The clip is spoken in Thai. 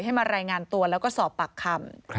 มารายงานตัวแล้วก็สอบปากคำ